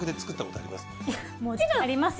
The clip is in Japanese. もちろんありますよ。